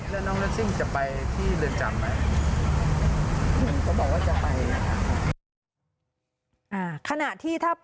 วันนี้ก็ได้โพสต์ภาพ